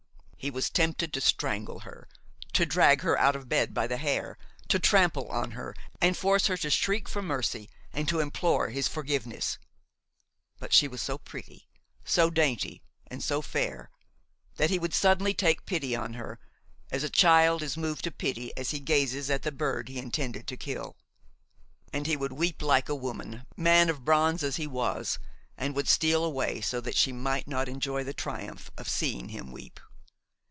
He was tempted to strangle her–to drag her out of bed by the hair, to trample on her and force her to shriek for mercy and to implore his forgiveness; but she was so pretty, so dainty and so fair, that he would suddenly take pity on her, as a child is moved to pity as he gazes at the bird he intended to kill. And he would weep like a woman, man of bronze as he was, and would steal away so that she might not enjoy the triumph of seeing him weep.